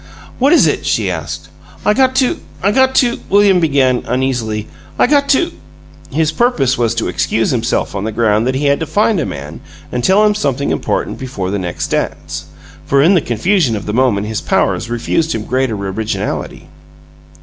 "What is it?" she asked. "I got I got to " William began, uneasily. "I got to " His purpose was to excuse himself on the ground that he had to find a man and tell him something important before the next dance, for in the confusion of the moment his powers refused him greater originality.